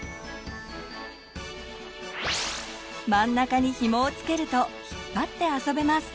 真ん中にひもをつけると引っぱって遊べます。